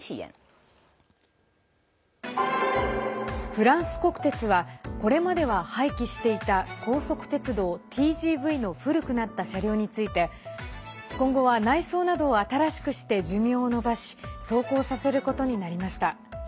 フランス国鉄はこれまでは廃棄していた高速鉄道ＴＧＶの古くなった車両について今後は内装などを新しくして寿命を延ばし走行させることになりました。